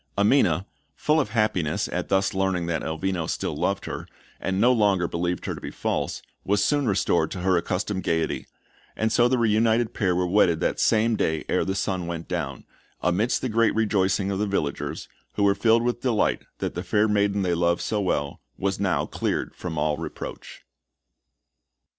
Amina, full of happiness at thus learning that Elvino still loved her, and no longer believed her to be false, was soon restored to her accustomed gaiety; and so the reunited pair were wedded that same day ere the sun went down, amidst the great rejoicings of the villagers, who were filled with delight that the fair maiden they loved so well was now cleared from all reproach.